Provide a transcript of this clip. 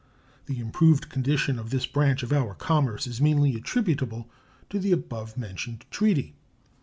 The improved condition of this branch of our commerce is mainly attributable to the above mentioned treaty.